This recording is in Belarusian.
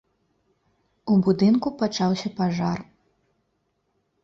У будынку пачаўся пажар.